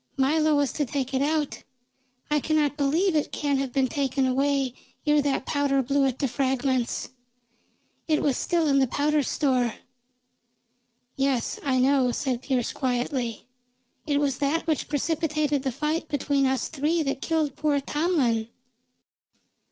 Milo was to take it out. I cannot believe it can have been taken away ere that powder blew it to fragments. It was still in the powder store." "Yes, I know," said Pearse quietly. "It was that which precipitated the fight between us three that killed poor Tomlin."